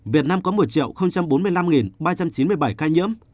việt nam có một bốn mươi năm ba trăm chín mươi bảy ca nhiễm